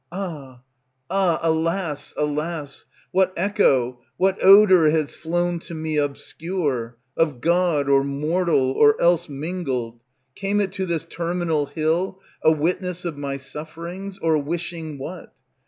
Ah! ah! alas! alas! What echo, what odor has flown to me obscure, Of god, or mortal, or else mingled, Came it to this terminal hill A witness of my sufferings, or wishing what?